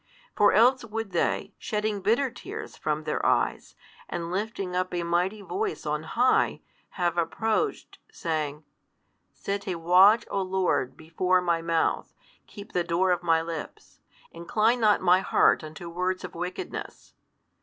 For else would they, shedding bitter tears from their eyes, and lifting up a mighty voice on high, have approached, saying, Set a watch, O Lord, before my mouth, keep the door of my lips. Incline not my heart to words of wickedness.